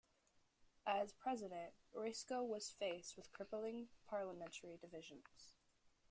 As president Riesco was faced with crippling parliamentary divisions.